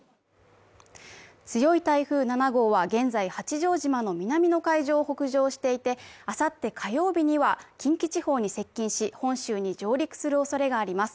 強い台風７号は現在、八丈島の南の海上を北上していて、あさって火曜日には近畿地方に接近し、本州に上陸するおそれがあります。